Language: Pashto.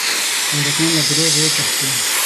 غیرتمند له دروغو وتښتي